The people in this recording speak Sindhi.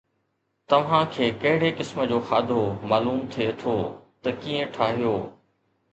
توهان کي ڪهڙي قسم جو کاڌو معلوم ٿئي ٿو ته ڪيئن ٺاهيو؟